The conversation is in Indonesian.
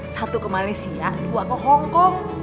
satu ke malaysia dua ke hongkong